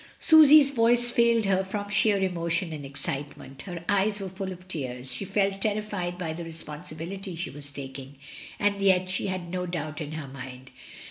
Susy's voice failed her from sheer emotion and excitement, her eyes were full of tears, she felt terrified by the responsibility she was taking, and yet she had no doubt in her mind.